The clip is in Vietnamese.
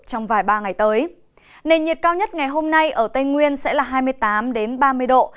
trong vài ba ngày tới nền nhiệt cao nhất ngày hôm nay ở tây nguyên sẽ là hai mươi tám ba mươi độ